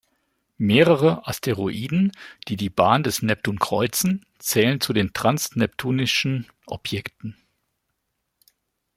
Mehrere Asteroiden die die Bahn des Neptun kreuzen zählen zu den transneptunischen Objekten.